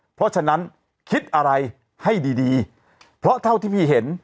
เพราะฉะนั้นคิดอะไรให้ดีดีเพราะเท่าที่พี่เห็น